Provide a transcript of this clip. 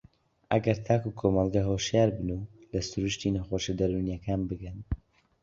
ئەگەر تاک و کۆمەڵگە هۆشیار بن و لە سرووشتی نەخۆشییە دەروونییەکان بگەن